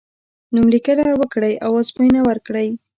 نوم لیکنه وکړی او ازموینه ورکړی.